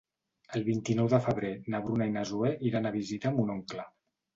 El vint-i-nou de febrer na Bruna i na Zoè iran a visitar mon oncle.